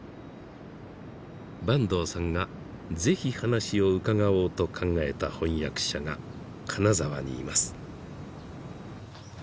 坂東さんが是非話を伺おうと考えた翻訳者が金沢にいます。